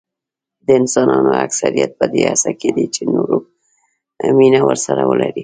د انسانانو اکثریت په دې هڅه کې دي چې نور مینه ورسره ولري.